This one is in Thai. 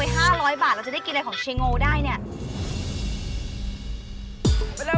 หรือว่าลงไป๕๐๐บาทเราจะได้กินอะไรของเชงโงได้เนี่ย